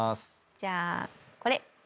じゃあこれ。